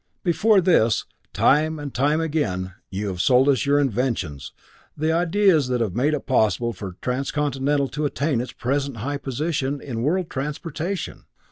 Before this, time and time again, you have sold us your inventions, the ideas that have made it possible for Transcontinental to attain its present high position in world transportation.